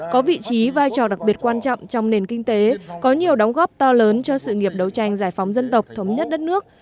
có vị trí vai trò đặc biệt quan trọng trong nền kinh tế có nhiều đóng góp to lớn cho sự nghiệp đấu tranh giải phóng dân tộc thống nhất đất nước